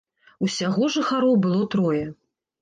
Усяго жыхароў было трое.